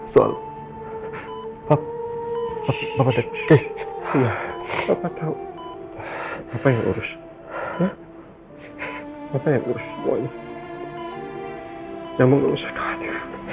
saya harus tahu soal aisyah